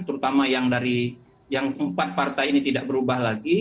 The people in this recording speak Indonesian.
terutama yang dari yang empat partai ini tidak berubah lagi